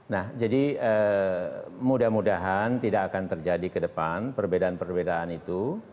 nah jadi mudah mudahan tidak akan terjadi ke depan perbedaan perbedaan itu